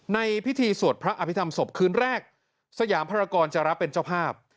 ในพิธีสวดพระอภิษฐรรมศพคืนแรกสยามภารกรจะรับเป็นเจ้าภาพ